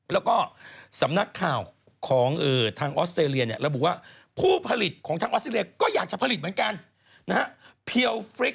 แล้วก็สำนักข่าวของทางออสเตรเลียเนี่ยระบุว่าผู้ผลิตของทางออสเตรเลียก็อยากจะผลิตเหมือนกันนะฮะ